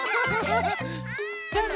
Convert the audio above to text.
どうぞ！